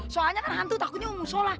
soalnya hantu takutnya ke musola